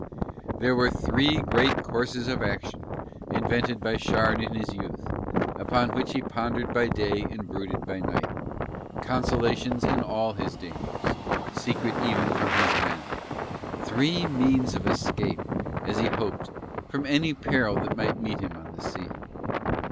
There were three great courses of action invented by Shard in his youth, upon which he pondered by day and brooded by night, consolations in all his dangers, secret even from his men, three means of escape as he hoped from any peril that might meet him on the sea.